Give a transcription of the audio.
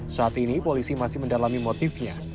saat ini polisi masih mendalami motifnya